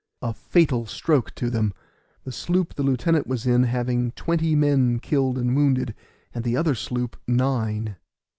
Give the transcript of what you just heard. A fatal stroke to them! the sloop the lieutenant was in having twenty men killed and wounded, and the other sloop nine.